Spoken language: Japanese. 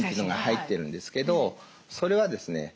それはですね